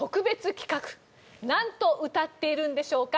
なんと歌っているんでしょうか？